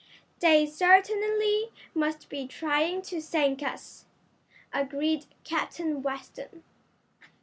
"They certainly must be trying to sink us," agreed Captain Weston.